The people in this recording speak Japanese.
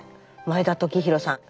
前田時博さん。